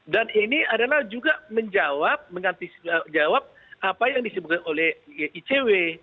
dan ini adalah juga menjawab mengantisipasi menjawab apa yang disebutkan oleh icw